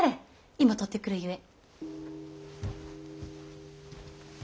今取ってくるゆえ。